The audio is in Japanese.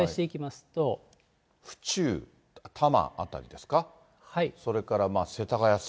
府中、多摩辺りですか。